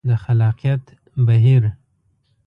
د خلاقیت بهیر